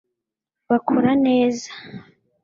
bakora neza